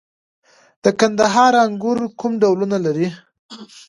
د کندهار انګور کوم ډولونه لري؟